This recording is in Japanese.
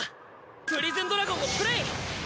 プリズンドラゴンをプレイ！